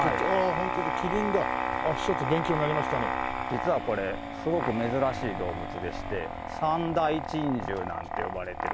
実はこれすごく珍しい動物でして三大珍獣なんて呼ばれてる。